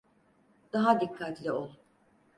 Daha dikkatli ol.